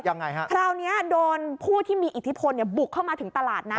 ยังไงฮะคราวนี้โดนผู้ที่มีอิทธิพลเนี่ยบุกเข้ามาถึงตลาดนะ